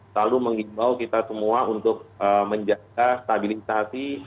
selalu mengimbau kita semua untuk menjaga stabilisasi